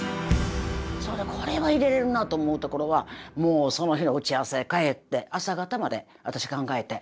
それでこれは入れれるなと思うところはもうその日の打ち合わせ帰って朝方まで私考えて。